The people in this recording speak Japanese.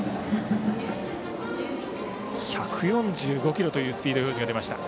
１４５キロというスピード表示が出ました。